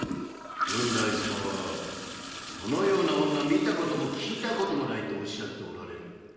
郡代様はそのような女見たことも聞いたこともないとおっしゃっておられる。